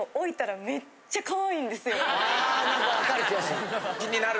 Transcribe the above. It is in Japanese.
あ何か分かる気がする。